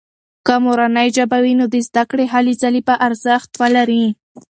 که مورنۍ ژبه وي، نو د زده کړې هلې ځلې به ارزښت ولري.